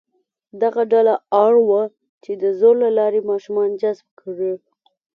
دغه ډله اړ وه چې د زور له لارې ماشومان جذب کړي.